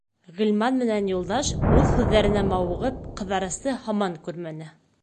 Ғилман менән Юлдаш, үҙ һүҙҙәренә мауығып, Ҡыҙырасты һаман күрмәне.